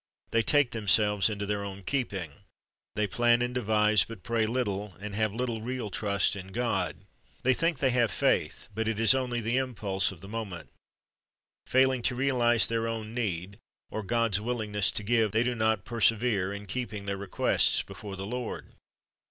They take themselves into their own keeping. They plan and devise, but pray little, and have little real trust in God. They think they have faith, but it is only the impulse of the moment. Failing to realize their own need, or God's 10 1 Mai. 3: 10 12 2john 11:40 1 46 C h r i s t 's bj c c t L c s s o n s willingness to give, they do not persevere in keeping their requests before the Lord.